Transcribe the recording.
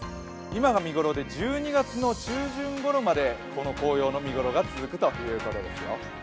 今が見頃で１２月の中旬ごろまでこの紅葉の見頃が続くということですよ。